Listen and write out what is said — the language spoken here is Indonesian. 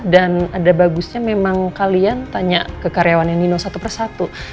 dan ada bagusnya memang kalian tanya ke karyawannya nino satu persatu